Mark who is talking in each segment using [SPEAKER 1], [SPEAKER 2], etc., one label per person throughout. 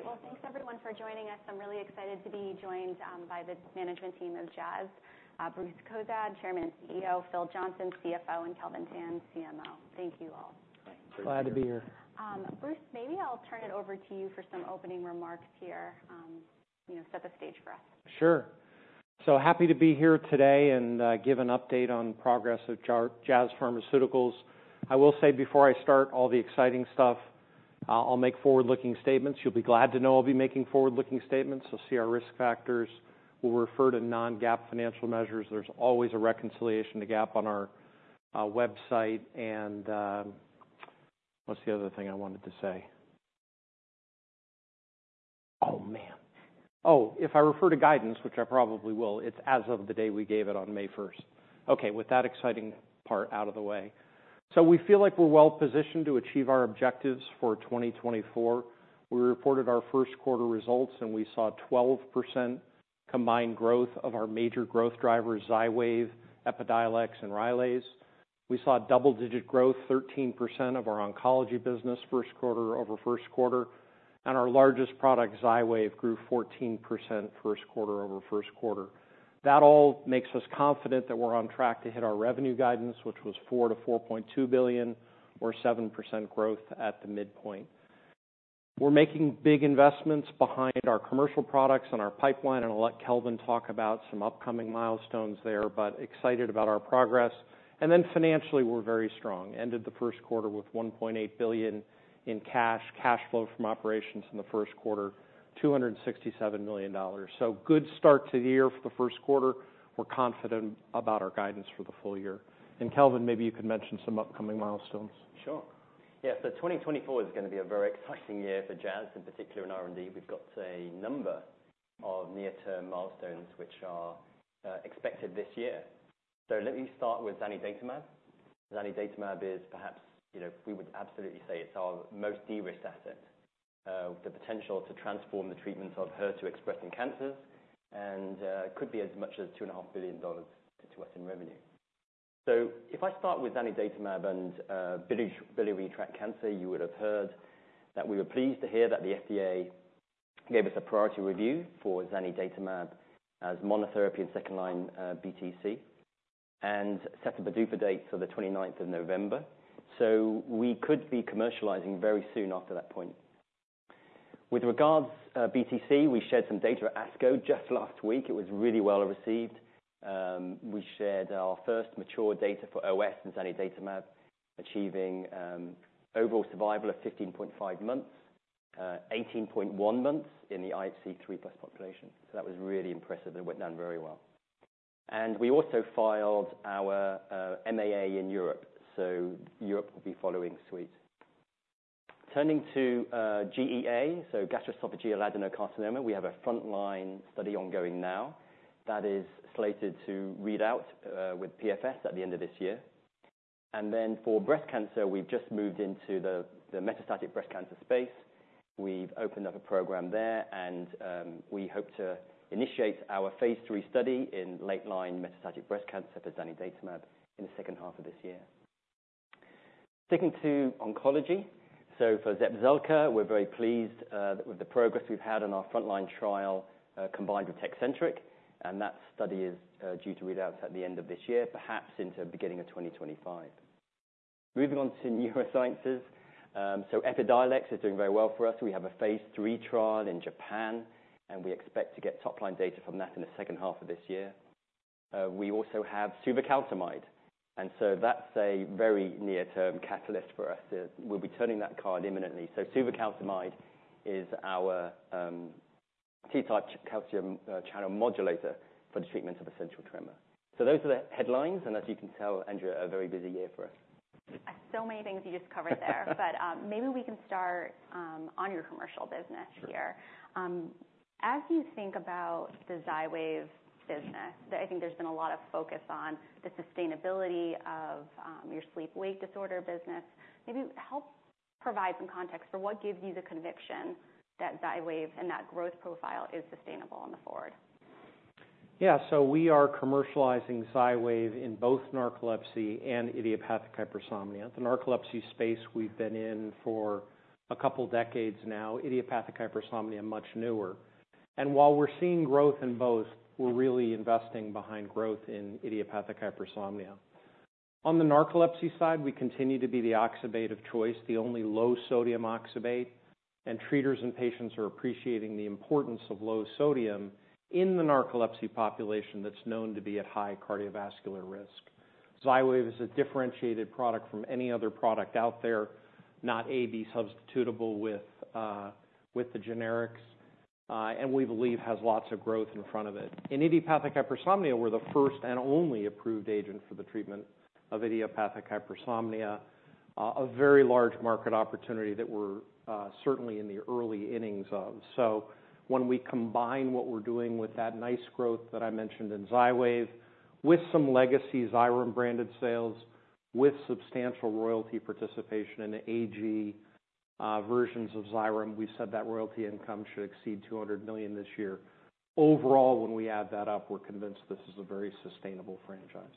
[SPEAKER 1] Great! Well, thanks everyone for joining us. I'm really excited to be joined by the management team of Jazz. Bruce Cozadd, Chairman and CEO, Philip Johnson, CFO, and Kelvin Tan, CMO. Thank you all.
[SPEAKER 2] Glad to be here.
[SPEAKER 1] Bruce, maybe I'll turn it over to you for some opening remarks here. You know, set the stage for us.
[SPEAKER 2] Sure. So happy to be here today and give an update on progress of Jazz Pharmaceuticals. I will say before I start all the exciting stuff, I'll make forward-looking statements. You'll be glad to know I'll be making forward-looking statements. You'll see our risk factors. We'll refer to non-GAAP financial measures. There's always a reconciliation to GAAP on our website. And what's the other thing I wanted to say? Oh, man! Oh, if I refer to guidance, which I probably will, it's as of the day we gave it on May 1st. Okay, with that exciting part out of the way. So we feel like we're well positioned to achieve our objectives for 2024. We reported our first quarter results, and we saw 12% combined growth of our major growth drivers, XYWAV, EPIDIOLEX, and Rylaze. We saw double-digit growth, 13% of our oncology business first-quarter-over-first-quarter, and our largest product, XYWAV, grew 14% first-quarter-over-first-quarter. That all makes us confident that we're on track to hit our revenue guidance, which was $4-$4.2 billion, or 7% growth at the midpoint. We're making big investments behind our commercial products and our pipeline, and I'll let Kelvin talk about some upcoming milestones there, but excited about our progress. And then financially, we're very strong. Ended the first quarter with $1.8 billion in cash, cash flow from operations in the first quarter, $267 million. So good start to the year for the first quarter. We're confident about our guidance for the full year. And Kelvin, maybe you could mention some upcoming milestones.
[SPEAKER 3] Sure. Yeah, so 2024 is gonna be a very exciting year for Jazz, in particular in R&D. We've got a number of near-term milestones which are expected this year. So let me start with zanidatamab. Zanidatamab is perhaps, you know, we would absolutely say it's our most de-risked asset, with the potential to transform the treatment of HER2-expressing cancers, and could be as much as $2.5 billion to us in revenue. So if I start with zanidatamab and biliary tract cancer, you would have heard that we were pleased to hear that the FDA gave us a priority review for zanidatamab as monotherapy in second line, uh, BTC, and set the PDUFA date for the twenty-ninth of November. So we could be commercializing very soon after that point. With regards, BTC, we shared some data at ASCO just last week. It was really well received. We shared our first mature data for OS in zanidatamab, achieving overall survival of 15.5 months, 18.1 months in the IHC 3+ population. So that was really impressive, and went down very well. And we also filed our MAA in Europe, so Europe will be following suit. Turning to GEA, so gastroesophageal adenocarcinoma, we have a frontline study ongoing now that is slated to read out with PFS at the end of this year. And then for breast cancer, we've just moved into the metastatic breast cancer space. We've opened up a program there, and we hope to initiate our phase III study in late-line metastatic breast cancer for zanidatamab in the second half of this year. Sticking to oncology, so for Zepzelca, we're very pleased with the progress we've had on our frontline trial combined with Tecentriq, and that study is due to read out at the end of this year, perhaps into beginning of 2025. Moving on to neurosciences. So EPIDIOLEX is doing very well for us. We have a phase III trial in Japan, and we expect to get top-line data from that in the second half of this year. We also have suvecaltamide, and so that's a very near-term catalyst for us. We'll be turning that card imminently. So suvecaltamide is our T-type calcium channel modulator for the treatment of Essential Tremor. So those are the headlines, and as you can tell, Andrea, a very busy year for us.
[SPEAKER 1] So many things you just covered there. But, maybe we can start on your commercial business here.
[SPEAKER 3] Sure.
[SPEAKER 1] As you think about the XYWAV business, that I think there's been a lot of focus on the sustainability of, your sleep-wake disorder business. Maybe help provide some context for what gives you the conviction that XYWAV and that growth profile is sustainable on the forward?
[SPEAKER 2] Yeah. So we are commercializing XYWAV in both narcolepsy and idiopathic hypersomnia. The narcolepsy space we've been in for a couple decades now, idiopathic hypersomnia, much newer. And while we're seeing growth in both, we're really investing behind growth in idiopathic hypersomnia. On the narcolepsy side, we continue to be the oxybate of choice, the only low-sodium oxybate, and treaters and patients are appreciating the importance of low sodium in the narcolepsy population that's known to be at high cardiovascular risk. XYWAV is a differentiated product from any other product out there, not AB substitutable with the generics, and we believe has lots of growth in front of it. In idiopathic hypersomnia, we're the first and only approved agent for the treatment of idiopathic hypersomnia, a very large market opportunity that we're certainly in the early innings of. When we combine what we're doing with that nice growth that I mentioned in XYWAV, with some legacy XYREM-branded sales, with substantial royalty participation in AG versions of XYREM, we've said that royalty income should exceed $200 million this year. Overall, when we add that up, we're convinced this is a very sustainable franchise....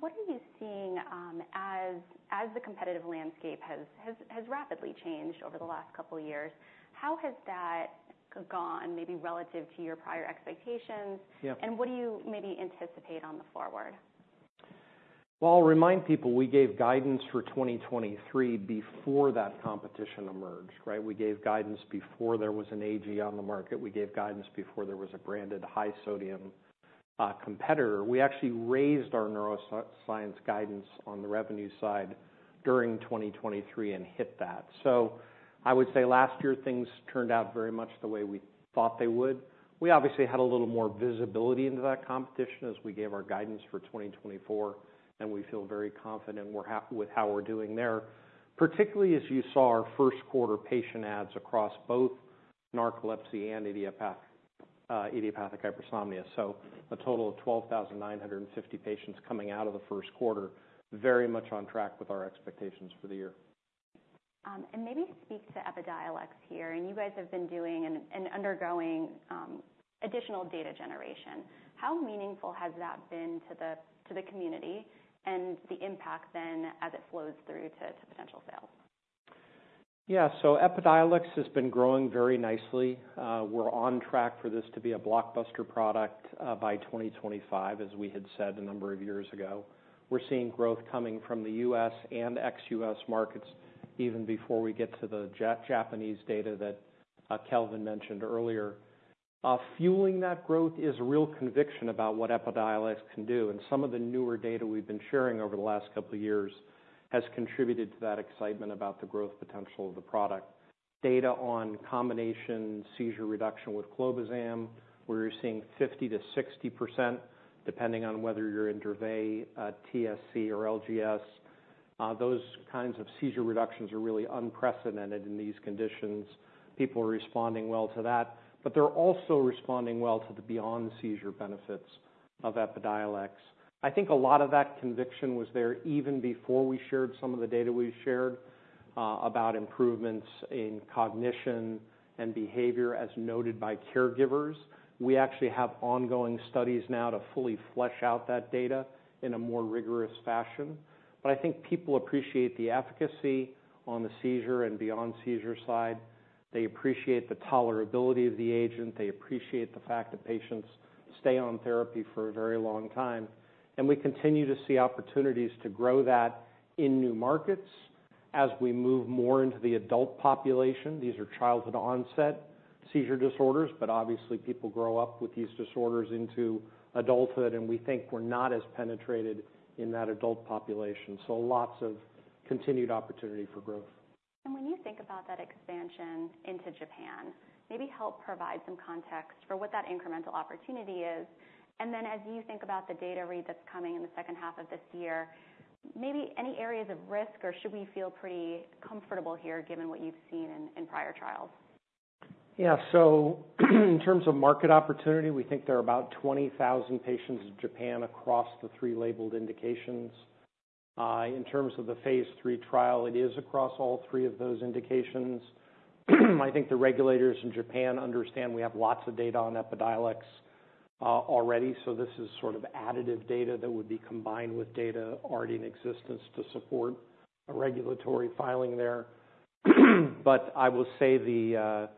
[SPEAKER 1] What are you seeing as the competitive landscape has rapidly changed over the last couple of years, how has that gone, maybe relative to your prior expectations?
[SPEAKER 2] Yeah.
[SPEAKER 1] What do you maybe anticipate on the forward?
[SPEAKER 2] Well, I'll remind people, we gave guidance for 2023 before that competition emerged, right? We gave guidance before there was an AG on the market. We gave guidance before there was a branded high sodium competitor. We actually raised our neuroscience guidance on the revenue side during 2023 and hit that. So I would say last year, things turned out very much the way we thought they would. We obviously had a little more visibility into that competition as we gave our guidance for 2024, and we feel very confident. We're happy with how we're doing there, particularly as you saw our first quarter patient adds across both narcolepsy and idiopathic, idiopathic hypersomnia. So a total of 12,950 patients coming out of the first quarter, very much on track with our expectations for the year.
[SPEAKER 1] Maybe speak to EPIDIOLEX here. You guys have been doing and undergoing additional data generation. How meaningful has that been to the community and the impact then as it flows through to potential sales?
[SPEAKER 2] Yeah. So EPIDIOLEX has been growing very nicely. We're on track for this to be a blockbuster product by 2025, as we had said a number of years ago. We're seeing growth coming from the U.S. and ex-U.S. markets, even before we get to the Japanese data that Kelvin mentioned earlier. Fueling that growth is real conviction about what EPIDIOLEX can do, and some of the newer data we've been sharing over the last couple of years has contributed to that excitement about the growth potential of the product. Data on combination seizure reduction with clobazam, where you're seeing 50%-60%, depending on whether you're in Dravet, TSC or LGS. Those kinds of seizure reductions are really unprecedented in these conditions. People are responding well to that, but they're also responding well to the beyond seizure benefits of EPIDIOLEX. I think a lot of that conviction was there even before we shared some of the data we've shared about improvements in cognition and behavior, as noted by caregivers. We actually have ongoing studies now to fully flesh out that data in a more rigorous fashion. But I think people appreciate the efficacy on the seizure and beyond seizure side. They appreciate the tolerability of the agent. They appreciate the fact that patients stay on therapy for a very long time, and we continue to see opportunities to grow that in new markets as we move more into the adult population. These are childhood onset seizure disorders, but obviously people grow up with these disorders into adulthood, and we think we're not as penetrated in that adult population. So lots of continued opportunity for growth.
[SPEAKER 1] When you think about that expansion into Japan, maybe help provide some context for what that incremental opportunity is. Then as you think about the data read that's coming in the second half of this year, maybe any areas of risk, or should we feel pretty comfortable here given what you've seen in prior trials?
[SPEAKER 2] Yeah. So in terms of market opportunity, we think there are about 20,000 patients in Japan across the three labeled indications. In terms of the phase III trial, it is across all three of those indications. I think the regulators in Japan understand we have lots of data on EPIDIOLEX already, so this is sort of additive data that would be combined with data already in existence to support a regulatory filing there. But I will say the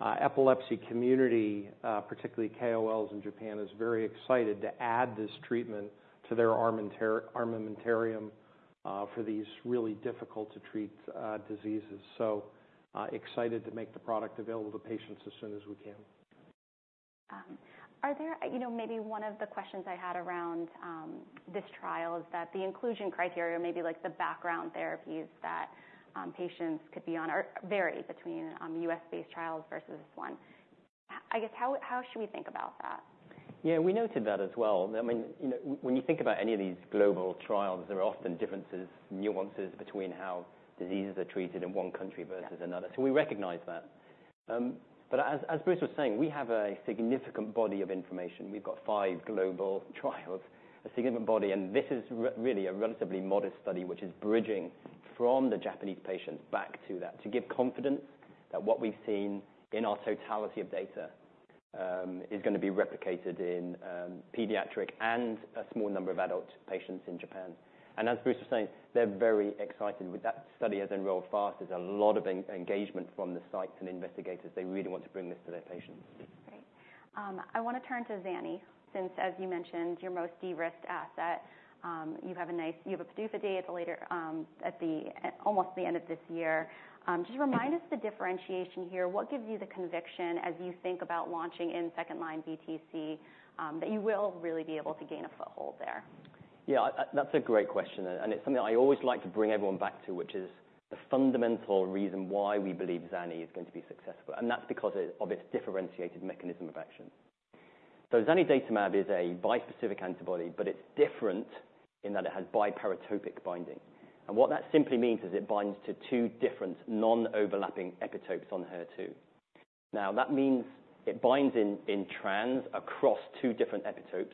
[SPEAKER 2] epilepsy community, particularly KOLs in Japan, is very excited to add this treatment to their armamentarium for these really difficult to treat diseases. So, excited to make the product available to patients as soon as we can.
[SPEAKER 1] You know, maybe one of the questions I had around this trial is that the inclusion criteria, maybe like the background therapies that patients could be on, vary between U.S.-based trials versus this one. I guess, how should we think about that?
[SPEAKER 3] Yeah, we noted that as well. I mean, you know, when you think about any of these global trials, there are often differences, nuances between how diseases are treated in one country versus another.
[SPEAKER 1] Yeah.
[SPEAKER 3] So we recognize that. But as Bruce was saying, we have a significant body of information. We've got five global trials, a significant body, and this is really a relatively modest study, which is bridging from the Japanese patients back to that, to give confidence that what we've seen in our totality of data, is gonna be replicated in, pediatric and a small number of adult patients in Japan. And as Bruce was saying, they're very excited with that study as enrolled fast. There's a lot of engagement from the sites and investigators. They really want to bring this to their patients.
[SPEAKER 1] Great. I wanna turn to zani, since, as you mentioned, your most de-risked asset. You have a PDUFA date later, at almost the end of this year. Just remind us the differentiation here. What gives you the conviction as you think about launching in second-line BTC, that you will really be able to gain a foothold there?
[SPEAKER 3] Yeah, that's a great question, and it's something I always like to bring everyone back to, which is the fundamental reason why we believe zani is going to be successful, and that's because of its differentiated mechanism of action. So zanidatamab is a bispecific antibody, but it's different in that it has biparatopic binding. And what that simply means is it binds to two different non-overlapping epitopes on HER2. Now, that means it binds in trans across two different epitopes,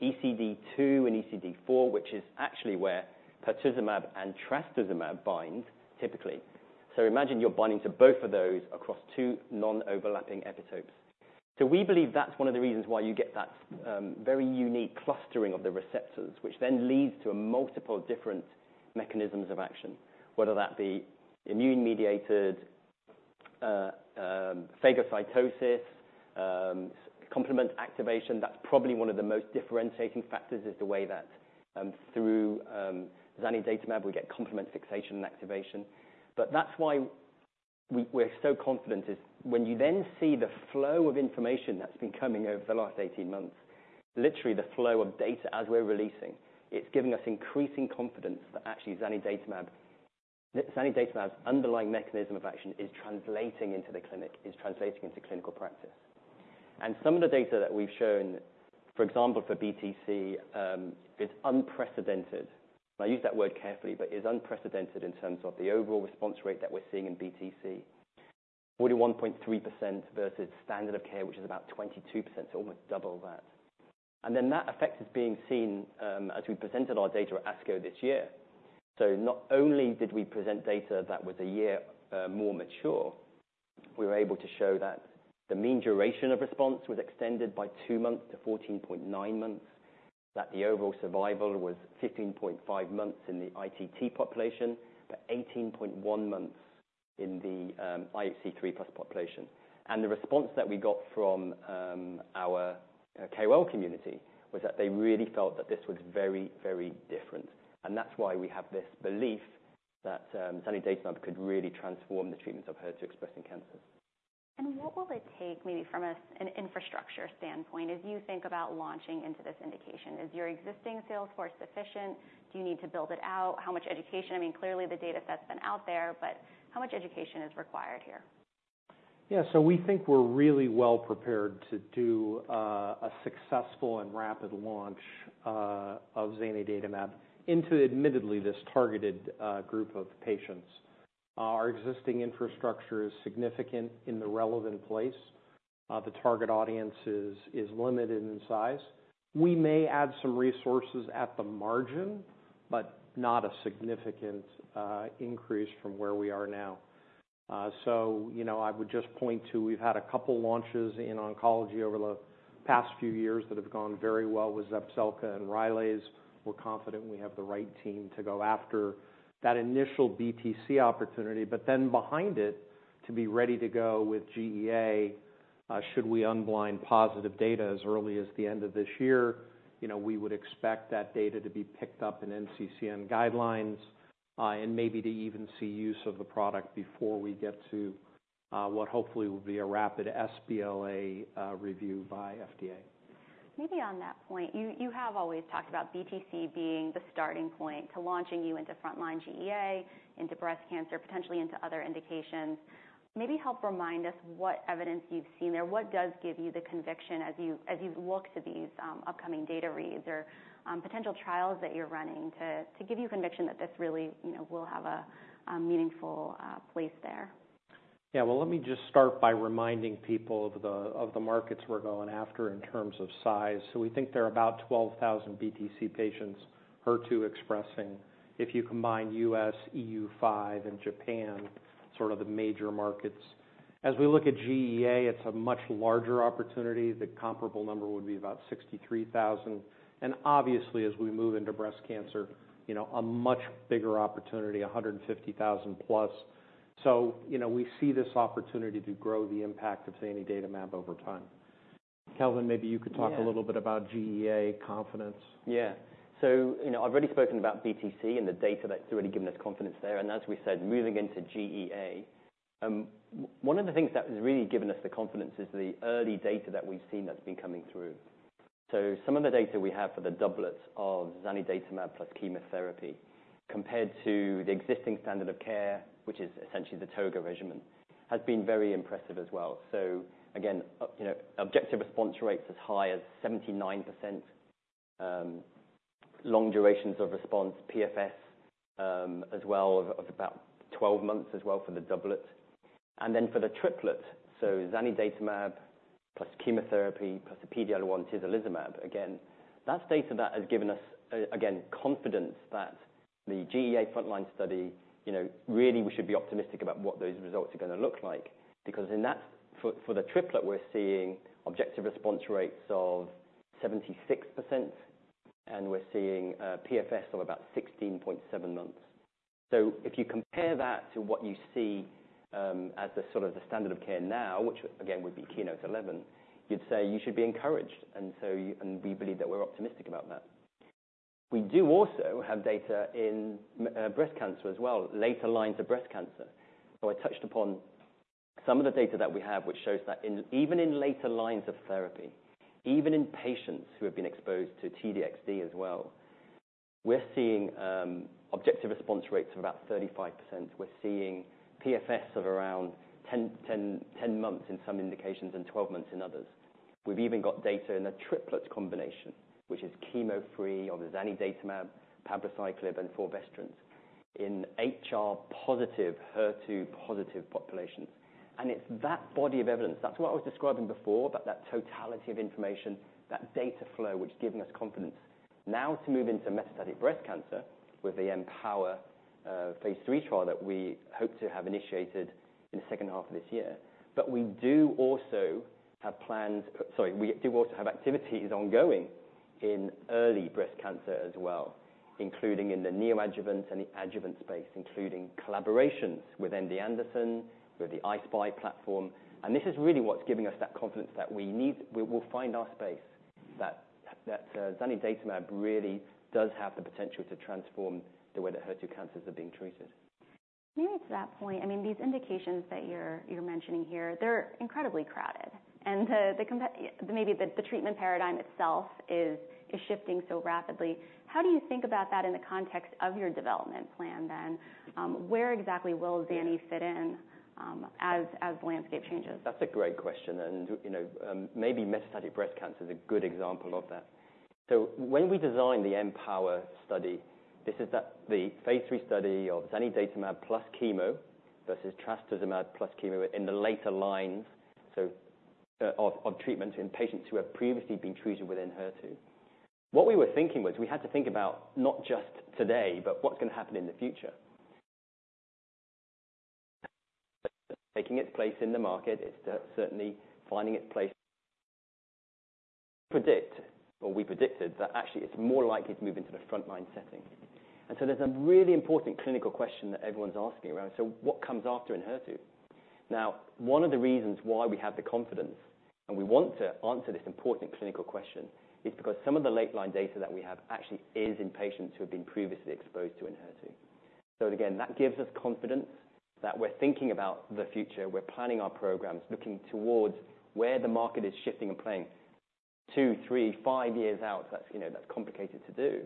[SPEAKER 3] ECD2 and ECD4, which is actually where pertuzumab and trastuzumab bind typically. So imagine you're binding to both of those across two non-overlapping epitopes. So we believe that's one of the reasons why you get that very unique clustering of the receptors, which then leads to multiple different mechanisms of action, whether that be immune-mediated phagocytosis, complement activation. That's probably one of the most differentiating factors, is the way that, through, zanidatamab, we get complement fixation and activation. But that's why we're so confident is when you then see the flow of information that's been coming over the last 18 months, literally the flow of data as we're releasing, it's giving us increasing confidence that actually zanidatamab's underlying mechanism of action is translating into the clinic, is translating into clinical practice. And some of the data that we've shown, for example, for BTC, is unprecedented. And I use that word carefully, but is unprecedented in terms of the overall response rate that we're seeing in BTC. 41.3% versus standard of care, which is about 22%, so almost double that. And then that effect is being seen, as we presented our data at ASCO this year. So not only did we present data that was a year more mature, we were able to show that the mean duration of response was extended by two months to 14.9 months, that the overall survival was 15.5 months in the ITT population, but 18.1 months in the IHC 3+ population. And the response that we got from our KOL community was that they really felt that this was very, very different. And that's why we have this belief that zanidatamab could really transform the treatments of HER2 expressing cancers.
[SPEAKER 1] What will it take, maybe from an infrastructure standpoint, as you think about launching into this indication? Is your existing sales force sufficient? Do you need to build it out? How much education? I mean, clearly, the data set's been out there, but how much education is required here?
[SPEAKER 2] Yeah, so we think we're really well prepared to do a successful and rapid launch of zanidatamab into admittedly this targeted group of patients. Our existing infrastructure is significant in the relevant place. The target audience is limited in size. We may add some resources at the margin, but not a significant increase from where we are now. So, you know, I would just point to, we've had a couple launches in oncology over the past few years that have gone very well with Zepzelca and Rylaze. We're confident we have the right team to go after that initial BTC opportunity, but then behind it, to be ready to go with GEA, should we unblind positive data as early as the end of this year. You know, we would expect that data to be picked up in NCCN guidelines, and maybe to even see use of the product before we get to what hopefully will be a rapid sBLA review by FDA.
[SPEAKER 1] Maybe on that point, you, you have always talked about BTC being the starting point to launching you into frontline GEA, into breast cancer, potentially into other indications. Maybe help remind us what evidence you've seen there. What does give you the conviction as you, as you look to these upcoming data reads or potential trials that you're running, to, to give you conviction that this really, you know, will have a meaningful place there?
[SPEAKER 2] Yeah, well, let me just start by reminding people of the markets we're going after in terms of size. So we think there are about 12,000 BTC patients, HER2 expressing, if you combine U.S., EU5, and Japan, sort of the major markets. As we look at GEA, it's a much larger opportunity. The comparable number would be about 63,000. And obviously, as we move into breast cancer, you know, a much bigger opportunity, 150,000 plus. So, you know, we see this opportunity to grow the impact of zanidatamab over time. Kelvin, maybe you could talk-
[SPEAKER 3] Yeah.
[SPEAKER 2] A little bit about GEA confidence.
[SPEAKER 3] Yeah. So, you know, I've already spoken about BTC and the data that's already given us confidence there, and as we said, moving into GEA, one of the things that has really given us the confidence is the early data that we've seen that's been coming through. So some of the data we have for the doublets of zanidatamab plus chemotherapy, compared to the existing standard of care, which is essentially the ToGA regimen, has been very impressive as well. So again, you know, objective response rates as high as 79%, long durations of response, PFS, as well of about 12 months as well for the doublet, and then for the triplet, so zanidatamab, plus chemotherapy, plus the PD-1 tislelizumab. Again, that data that has given us, again, confidence that the GEA frontline study, you know, really we should be optimistic about what those results are gonna look like. Because in that—for, for the triplet, we're seeing objective response rates of 76%, and we're seeing PFS of about 16.7 months. So if you compare that to what you see, as the sort of the standard of care now, which again, would be KEYNOTE-811, you'd say you should be encouraged, and so—and we believe that we're optimistic about that. We do also have data in breast cancer as well, later lines of breast cancer. I touched upon some of the data that we have, which shows that even in later lines of therapy, even in patients who have been exposed to TDXD as well, we're seeing objective response rates of about 35%. We're seeing PFS of around 10, 10, 10 months in some indications and 12 months in others. We've even got data in a triplet combination, which is chemo-free of zanidatamab, palbociclib, and fulvestrant, in HR positive, HER2 positive populations. And it's that body of evidence, that's what I was describing before, about that totality of information, that data flow, which is giving us confidence now to move into metastatic breast cancer with the EMPOWER phase III trial that we hope to have initiated in the second half of this year. But we do also have plans. Sorry, we do also have activities ongoing in early breast cancer as well, including in the neoadjuvant and the adjuvant space, including collaborations with MD Anderson, with the I-SPY platform. And this is really what's giving us that confidence that we need. We will find our space, that zanidatamab really does have the potential to transform the way that HER2 cancers are being treated.
[SPEAKER 1] Maybe to that point, I mean, these indications that you're mentioning here, they're incredibly crowded. And the treatment paradigm itself is shifting so rapidly. How do you think about that in the context of your development plan then? Where exactly will zani fit in, as the landscape changes?
[SPEAKER 3] That's a great question, and, you know, maybe metastatic breast cancer is a good example of that. So when we designed the EMPOWER study, this is the phase III study of zanidatamab plus chemo versus trastuzumab plus chemo in the later lines of treatment in patients who have previously been treated with Enhertu. What we were thinking was we had to think about not just today, but what's gonna happen in the future. Taking its place in the market, it's definitely finding its place. We predicted that actually it's more likely to move into the frontline setting. And so there's a really important clinical question that everyone's asking around: So what comes after Enhertu? Now, one of the reasons why we have the confidence, and we want to answer this important clinical question, is because some of the late line data that we have actually is in patients who have been previously exposed to Enhertu. So again, that gives us confidence that we're thinking about the future. We're planning our programs, looking towards where the market is shifting and playing two, three, five years out. That's, you know, that's complicated to do,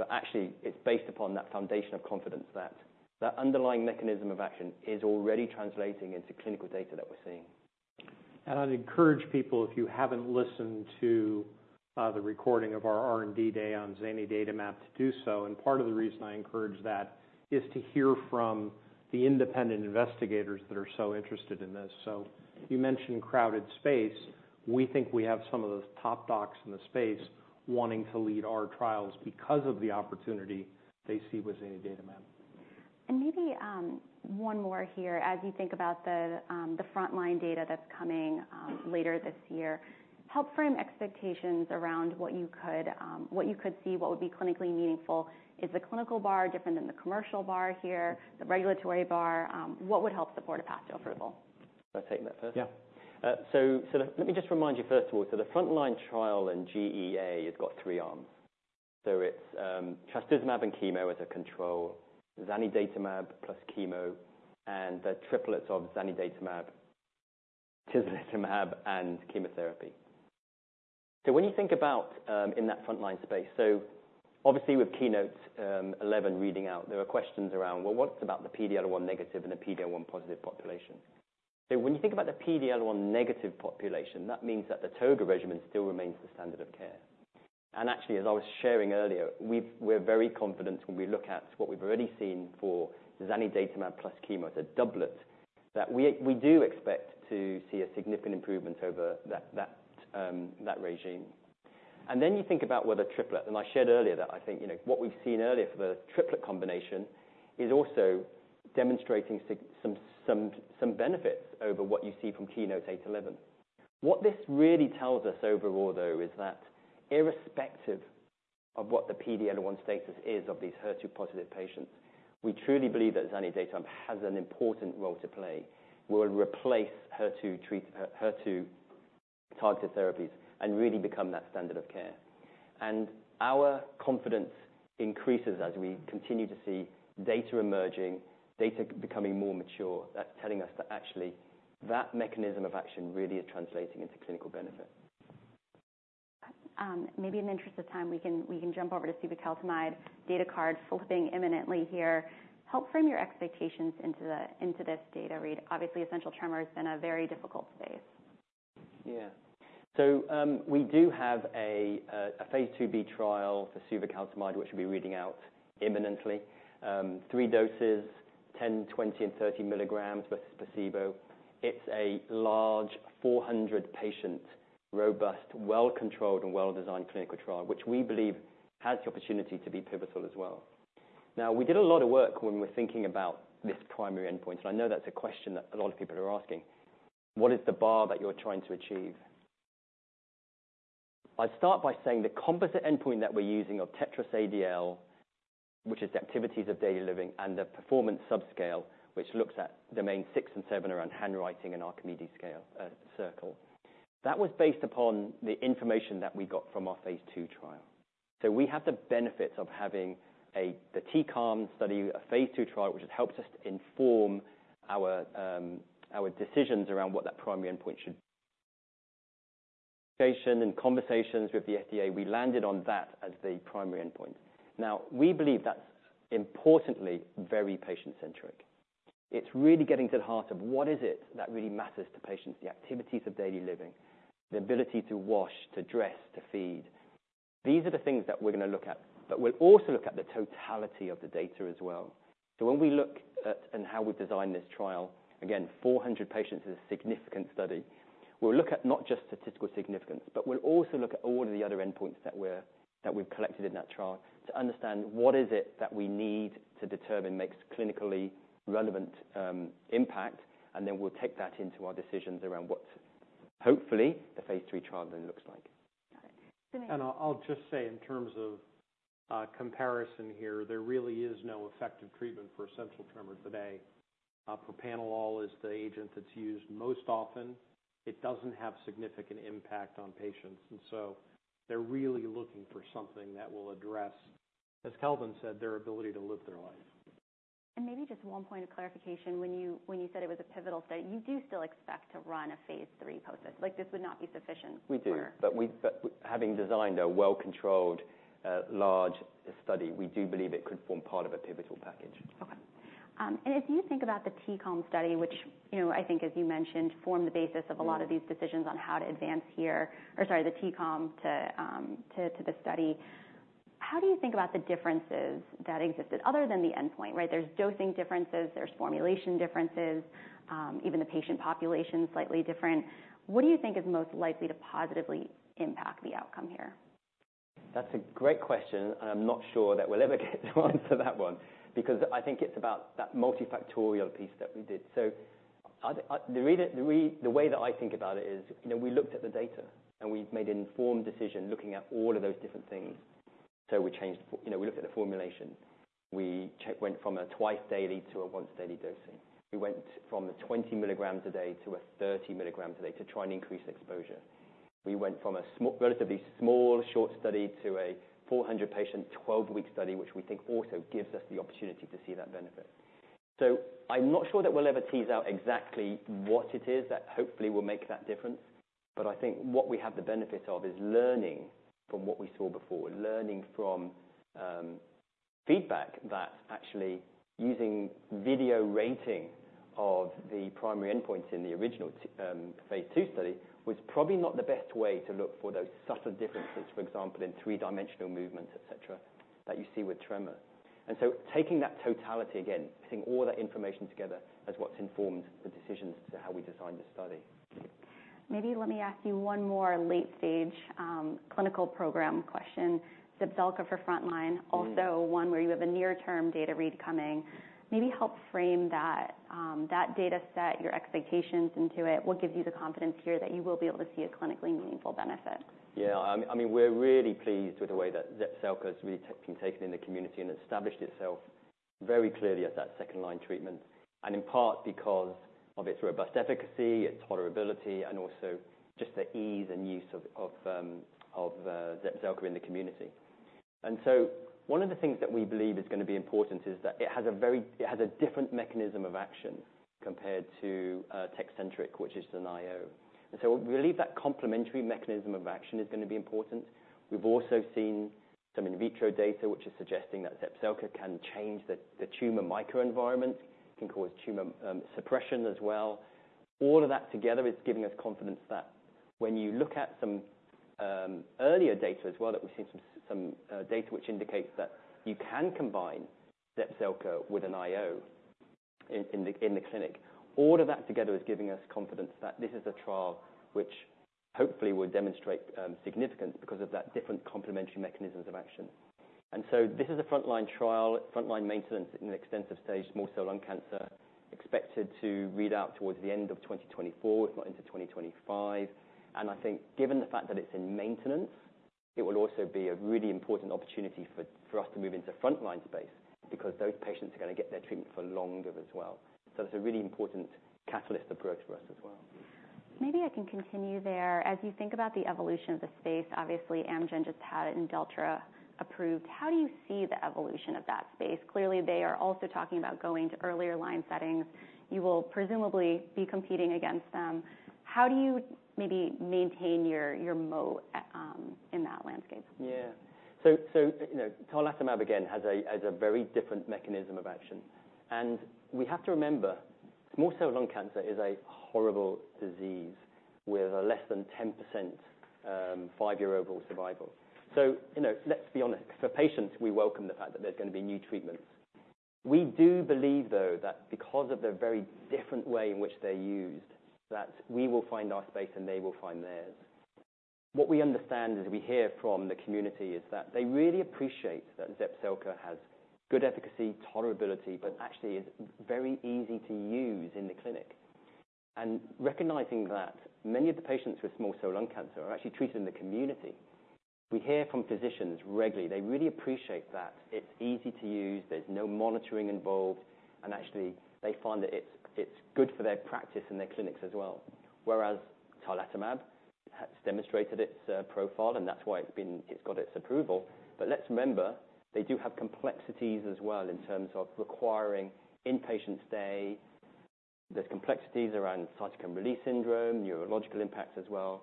[SPEAKER 3] but actually it's based upon that foundation of confidence that that underlying mechanism of action is already translating into clinical data that we're seeing.
[SPEAKER 2] I'd encourage people, if you haven't listened to the recording of our R&D day on zanidatamab to do so. Part of the reason I encourage that is to hear from the independent investigators that are so interested in this. You mentioned crowded space. We think we have some of those top docs in the space wanting to lead our trials because of the opportunity they see with zanidatamab.
[SPEAKER 1] And maybe one more here. As you think about the frontline data that's coming later this year, help frame expectations around what you could see, what would be clinically meaningful. Is the clinical bar different than the commercial bar here, the regulatory bar? What would help support a path to approval?
[SPEAKER 3] Can I take that first?
[SPEAKER 2] Yeah.
[SPEAKER 3] So, so let me just remind you, first of all, so the frontline trial in GEA has got three arms. So it's trastuzumab and chemo as a control, zanidatamab plus chemo, and the triplet of zanidatamab, tislelizumab and chemotherapy. So when you think about in that frontline space, so obviously with KEYNOTE-811 reading out, there are questions around, well, what about the PD-L1 negative and the PD-L1 positive population? So when you think about the PD-L1 negative population, that means that the ToGA regimen still remains the standard of care. And actually, as I was sharing earlier, we're very confident when we look at what we've already seen for zanidatamab plus chemo, it's a doublet, that we do expect to see a significant improvement over that regimen. Then you think about whether triplet, and I shared earlier that I think, you know, what we've seen earlier for the triplet combination is also demonstrating some benefits over what you see from KEYNOTE-811. What this really tells us overall, though, is that irrespective of what the PD-L1 status is of these HER2-positive patients, we truly believe that zanidatamab has an important role to play, will replace HER2 targeted therapies and really become that standard of care. And our confidence increases as we continue to see data emerging, data becoming more mature. That's telling us that actually, that mechanism of action really is translating into clinical benefit.
[SPEAKER 1] Maybe in the interest of time, we can jump over to suvecaltamide, data card flipping imminently here. Help frame your expectations into this data readout. Obviously, Essential Tremor has been a very difficult space.
[SPEAKER 3] Yeah. So, we do have a phase II-b trial for suvecaltamide, which will be reading out imminently. Three doses, 10 mg, 20 mg, and 30 mg versus placebo. It's a large, 400-patient, robust, well-controlled, and well-designed clinical trial, which we believe has the opportunity to be pivotal as well. Now, we did a lot of work when we were thinking about this primary endpoint, and I know that's a question that a lot of people are asking: What is the bar that you're trying to achieve? I'd start by saying the composite endpoint that we're using of TETRAS-ADL, which is activities of daily living, and the performance subscale, which looks at domain six and seven around handwriting and Archimedes scale circle. That was based upon the information that we got from our phase II trial. So we have the benefit of having a, the T-CALM study, a phase II trial, which has helped us to inform our, our decisions around what that primary endpoint should... discussions and conversations with the FDA, we landed on that as the primary endpoint. Now, we believe that's importantly very patient-centric. It's really getting to the heart of what is it that really matters to patients, the activities of daily living, the ability to wash, to dress, to feed. These are the things that we're gonna look at, but we'll also look at the totality of the data as well. So when we look at and how we've designed this trial, again, 400 patients is a significant study.... We'll look at not just statistical significance, but we'll also look at all of the other endpoints that we've collected in that trial to understand what is it that we need to determine makes clinically relevant impact, and then we'll take that into our decisions around what hopefully the phase III trial then looks like.
[SPEAKER 1] Got it.
[SPEAKER 2] And I'll just say in terms of comparison here, there really is no effective treatment for Essential Tremor today. Propranolol is the agent that's used most often. It doesn't have significant impact on patients, and so they're really looking for something that will address, as Kelvin said, their ability to live their life.
[SPEAKER 1] Maybe just one point of clarification. When you, when you said it was a pivotal study, you do still expect to run a phase III post this? Like, this would not be sufficient for-
[SPEAKER 3] We do, but having designed a well-controlled, large study, we do believe it could form part of a pivotal package.
[SPEAKER 1] Okay. And if you think about the T-CALM study, which, you know, I think as you mentioned, formed the basis of a lot of these decisions on how to advance here, or sorry, the T-CALM to the study. How do you think about the differences that existed other than the endpoint, right? There's dosing differences, there's formulation differences, even the patient population, slightly different. What do you think is most likely to positively impact the outcome here?
[SPEAKER 3] That's a great question, and I'm not sure that we'll ever get the answer to that one, because I think it's about that multifactorial piece that we did. So the way that I think about it is, you know, we looked at the data, and we've made an informed decision looking at all of those different things. So we changed, you know, we looked at the formulation. We went from a twice daily to a once daily dosing. We went from a 20 mg a day to a 30 mg a day to try and increase exposure. We went from a relatively small, short study to a 400-patient, 12-week study, which we think also gives us the opportunity to see that benefit. So I'm not sure that we'll ever tease out exactly what it is that hopefully will make that difference, but I think what we have the benefit of is learning from what we saw before, learning from, feedback that actually using video rating of the primary endpoints in the original phase II study was probably not the best way to look for those subtle differences, for example, in three-dimensional movements, et cetera, that you see with tremor. And so taking that totality, again, putting all that information together, is what's informed the decisions to how we designed the study.
[SPEAKER 1] Maybe let me ask you one more late stage, clinical program question. Zepzelca for frontline, also one where you have a near-term data read coming. Maybe help frame that, that data set, your expectations into it. What gives you the confidence here that you will be able to see a clinically meaningful benefit?
[SPEAKER 3] Yeah, I mean, we're really pleased with the way that Zepzelca's really been taken in the community and established itself very clearly as that second-line treatment, and in part because of its robust efficacy, its tolerability, and also just the ease and use of Zepzelca in the community. And so one of the things that we believe is gonna be important is that it has a different mechanism of action compared to Tecentriq, which is an IO. And so we believe that complementary mechanism of action is gonna be important. We've also seen some in vitro data, which is suggesting that Zepzelca can change the tumor microenvironment, can cause tumor suppression as well. All of that together is giving us confidence that when you look at some earlier data as well, that we've seen some data which indicates that you can combine Zepzelca with an IO in the clinic. All of that together is giving us confidence that this is a trial which hopefully will demonstrate significance because of that different complementary mechanisms of action. And so this is a frontline trial, frontline maintenance in an extensive stage small cell lung cancer, expected to read out towards the end of 2024, if not into 2025. And I think given the fact that it's in maintenance, it will also be a really important opportunity for us to move into frontline space because those patients are gonna get their treatment for longer as well. It's a really important catalyst for growth for us as well.
[SPEAKER 1] Maybe I can continue there. As you think about the evolution of the space, obviously Amgen just had Imdelltra approved. How do you see the evolution of that space? Clearly, they are also talking about going to earlier line settings. You will presumably be competing against them. How do you maybe maintain your, your moat at, in that landscape?
[SPEAKER 3] Yeah. So, you know, tarlatamab, again, has a very different mechanism of action. We have to remember, small cell lung cancer is a horrible disease with less than 10%, five-year overall survival. So you know, let's be honest, for patients, we welcome the fact that there's gonna be new treatments. We do believe, though, that because of the very different way in which they're used, that we will find our space and they will find theirs. What we understand as we hear from the community is that they really appreciate that Zepzelca has good efficacy, tolerability, but actually is very easy to use in the clinic. Recognizing that many of the patients with small cell lung cancer are actually treated in the community, we hear from physicians regularly, they really appreciate that it's easy to use, there's no monitoring involved, and actually, they find that it's good for their practice and their clinics as well. Whereas tarlatamab has demonstrated its profile, and that's why it's got its approval. But let's remember, they do have complexities as well in terms of requiring inpatient stay. There's complexities around cytokine release syndrome, neurological impacts as well.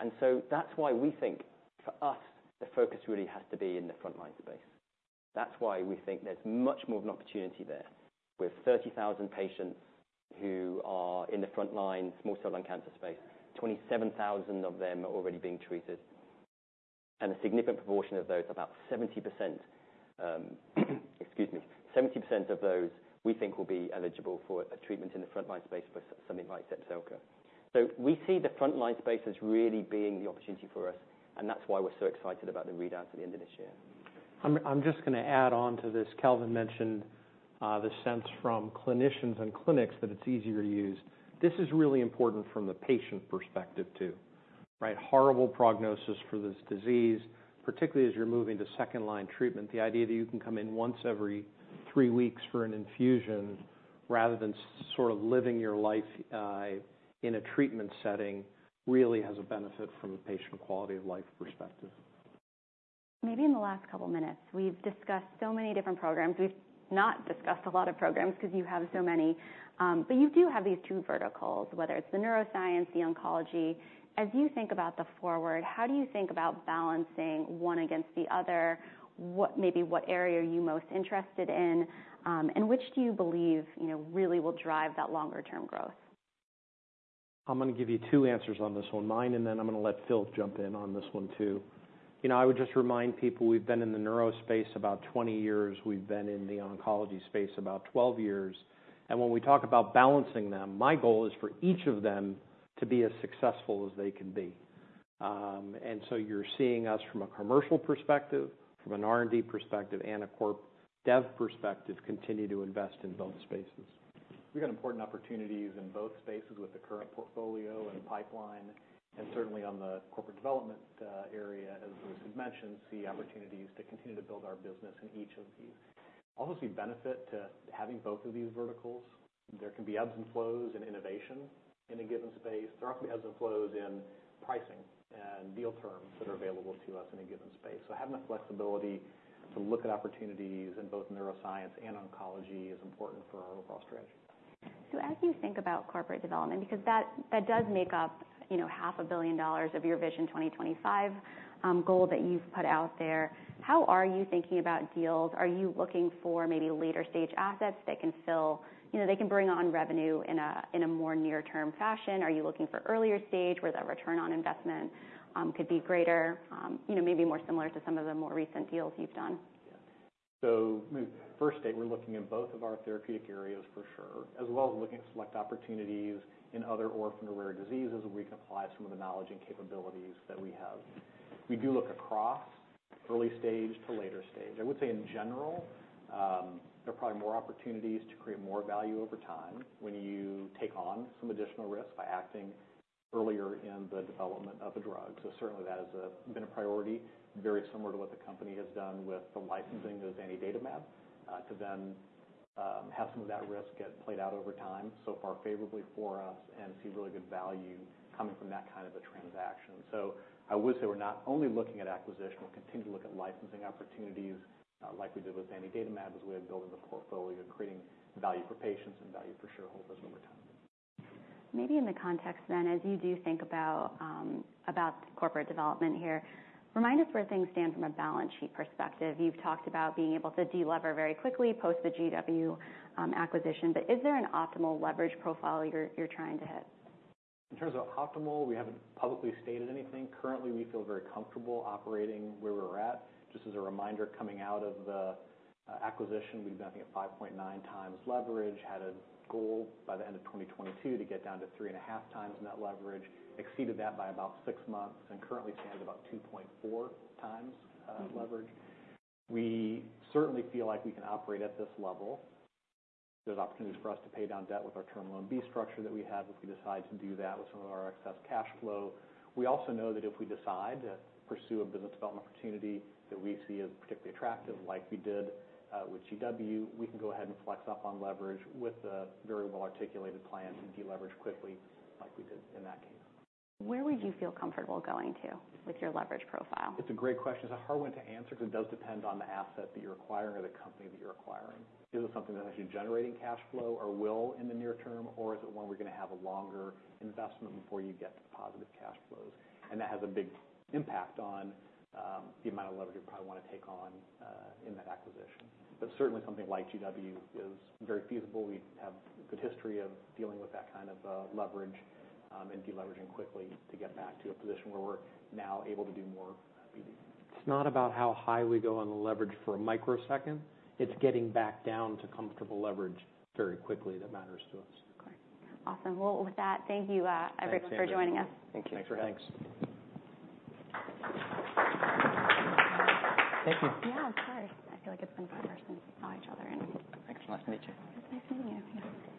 [SPEAKER 3] And so that's why we think, for us, the focus really has to be in the frontline space. That's why we think there's much more of an opportunity there. With 30,000 patients who are in the frontline small cell lung cancer space, 27,000 of them are already being treated. And a significant proportion of those, about 70%, excuse me, 70% of those, we think will be eligible for a treatment in the frontline space for something like Zepzelca. So we see the frontline space as really being the opportunity for us, and that's why we're so excited about the readouts at the end of this year.
[SPEAKER 2] I'm just gonna add on to this. Kelvin mentioned the sense from clinicians and clinics that it's easier to use. This is really important from the patient perspective, too, right? Horrible prognosis for this disease, particularly as you're moving to second line treatment. The idea that you can come in once every three weeks for an infusion rather than sort of living your life in a treatment setting really has a benefit from a patient quality of life perspective.
[SPEAKER 1] Maybe in the last couple minutes, we've discussed so many different programs. We've not discussed a lot of programs 'cause you have so many, but you do have these two verticals, whether it's the neuroscience, the oncology. As you think about the forward, how do you think about balancing one against the other? What - maybe what area are you most interested in, and which do you believe, you know, really will drive that longer term growth?
[SPEAKER 2] I'm gonna give you two answers on this one, mine, and then I'm gonna let Phil jump in on this one, too. You know, I would just remind people, we've been in the neuro space about 20 years. We've been in the oncology space about 12 years, and when we talk about balancing them, my goal is for each of them to be as successful as they can be. And so you're seeing us from a commercial perspective, from an R&D perspective, and a corp dev perspective, continue to invest in both spaces.
[SPEAKER 4] We've got important opportunities in both spaces with the current portfolio and pipeline, and certainly on the corporate development, area, as Louis has mentioned, see opportunities to continue to build our business in each of these. Also, we benefit to having both of these verticals. There can be ebbs and flows in innovation in a given space. There are often ebbs and flows in pricing and deal terms that are available to us in a given space. So having the flexibility to look at opportunities in both neuroscience and oncology is important for our overall strategy.
[SPEAKER 1] So as you think about corporate development, because that, that does make up, you know, $500 million of your Vision 2025 goal that you've put out there, how are you thinking about deals? Are you looking for maybe later stage assets that can fill... You know, they can bring on revenue in a, in a more near-term fashion? Are you looking for earlier stage, where that return on investment could be greater, you know, maybe more similar to some of the more recent deals you've done?
[SPEAKER 4] So first stage, we're looking at both of our therapeutic areas for sure, as well as looking at select opportunities in other orphan or rare diseases, where we can apply some of the knowledge and capabilities that we have. We do look across early stage to later stage. I would say in general, there are probably more opportunities to create more value over time when you take on some additional risk by acting earlier in the development of a drug. So certainly, that has been a priority, very similar to what the company has done with the licensing of zanidatamab, to then have some of that risk get played out over time, so far favorably for us, and see really good value coming from that kind of a transaction. I would say we're not only looking at acquisition. We'll continue to look at licensing opportunities, like we did with zanidatamab, as a way of building the portfolio and creating value for patients and value for shareholders over time.
[SPEAKER 1] Maybe in the context then, as you do think about, about corporate development here, remind us where things stand from a balance sheet perspective. You've talked about being able to deliver very quickly post the GW, acquisition, but is there an optimal leverage profile you're, you're trying to hit?
[SPEAKER 4] In terms of optimal, we haven't publicly stated anything. Currently, we feel very comfortable operating where we're at. Just as a reminder, coming out of the acquisition, we've been, I think, at 5.9x leverage. Had a goal by the end of 2022 to get down to 3.5x net leverage. Exceeded that by about six months, and currently stand about 2.4x leverage. We certainly feel like we can operate at this level. There's opportunities for us to pay down debt with our term loan B structure that we have, if we decide to do that with some of our excess cash flow. We also know that if we decide to pursue a business development opportunity that we see as particularly attractive, like we did with GW, we can go ahead and flex up on leverage with a very well-articulated plan to deleverage quickly, like we did in that case.
[SPEAKER 1] Where would you feel comfortable going to with your leverage profile?
[SPEAKER 4] It's a great question. It's a hard one to answer, because it does depend on the asset that you're acquiring or the company that you're acquiring. Is it something that's actually generating cash flow or will in the near term, or is it one we're gonna have a longer investment before you get to positive cash flows? And that has a big impact on the amount of leverage you probably want to take on in that acquisition. But certainly, something like GW is very feasible. We have a good history of dealing with that kind of leverage and deleveraging quickly to get back to a position where we're now able to do more PD.
[SPEAKER 2] It's not about how high we go on the leverage for a microsecond, it's getting back down to comfortable leverage very quickly that matters to us.
[SPEAKER 1] Okay. Awesome. Well, with that, thank you.
[SPEAKER 2] Thanks.
[SPEAKER 1] Everyone, for joining us.
[SPEAKER 3] Thank you.
[SPEAKER 2] Thanks.
[SPEAKER 3] Thank you.
[SPEAKER 1] Yeah, of course. I feel like it's been forever since we saw each other and-
[SPEAKER 3] Thanks. Nice to meet you.
[SPEAKER 1] It's nice meeting you.